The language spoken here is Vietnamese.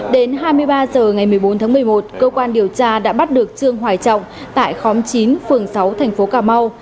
đến hai mươi ba h ngày một mươi bốn tháng một mươi một cơ quan điều tra đã bắt được trương hoài trọng tại khóm chín phường sáu thành phố cà mau